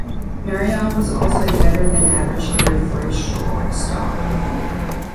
Marion was also a better-than-average hitter for a shortstop.